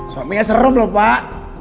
suaminya serem lho pak